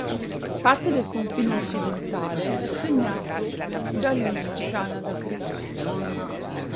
Parte del confine occidentale è segnato dall"'East Canada Creek".